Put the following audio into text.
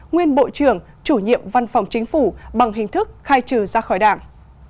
nguyên bộ trưởng chủ nhiệm văn phòng chính phủ bằng hình thức khai trừ ra khỏi đảng